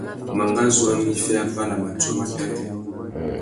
Mangazu a mú iffê abà na matiō matát.